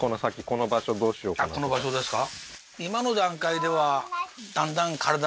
これはこの場所ですか？